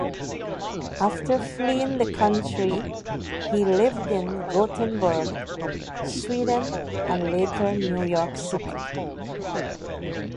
After fleeing the country, he lived in Gothenburg, Sweden, and later New York City.